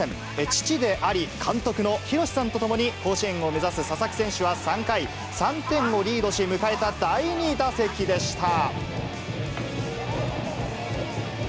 父であり、監督の洋さんと共に、甲子園を目指す佐々木選手は３回、３点をリードし、迎えた第２打席でした。